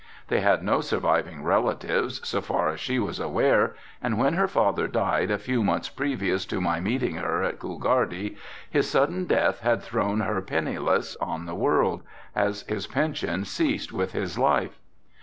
They had no surviving relatives, so far as she was aware and when her father died a few months previous to my meeting her at Coolgardie, his sudden death had thrown her pennyless on the world, as his pension ceased with his life.